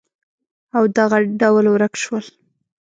او دغه ډول ورک شول